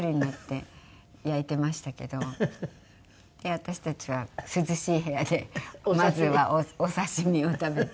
私たちは涼しい部屋でまずはお刺し身を食べて。